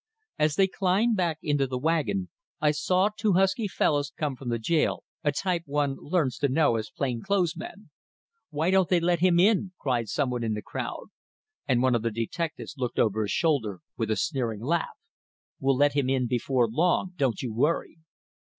As they climbed back into the wagon, I saw two husky fellows come from the jail, a type one learns to know as plain clothes men. "Why won't they let him in?" cried some one in the crowd; and one of the detectives looked over his shoulder, with a sneering laugh: "We'll let him in before long, don't you worry!"